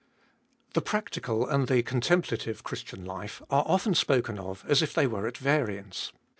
THE practical and the contemplative Christian life are often spoken of as if they were at variance.